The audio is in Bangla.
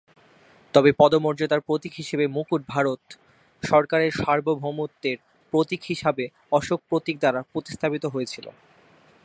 তবে পদমর্যাদার প্রতীক হিসাবে মুকুট ভারত সরকারের সার্বভৌমত্বের প্রতীক হিসাবে অশোক প্রতীক দ্বারা প্রতিস্থাপিত হয়েছিল।